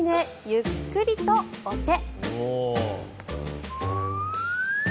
ゆっくりとお手。